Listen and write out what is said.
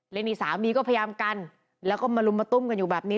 และนี่สามีก็พยายามกันแล้วก็มาลุมมาตุ้มกันอยู่แบบนี้